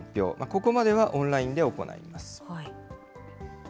ここまではオンラインで行います。